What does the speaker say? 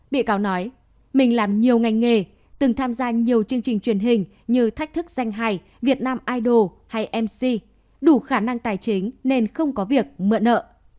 bị cáo nói mình làm nhiều ngành nghề từng tham gia nhiều chương trình truyền hình như thách thức danh hài việt nam idol hay mc đủ khả năng tài chính nên không có việc mượn nợ